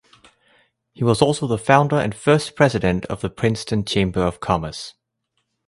He was also the founder and first president of the Princeton Chamber of Commerce.